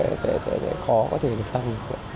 sẽ khó có thể được tăng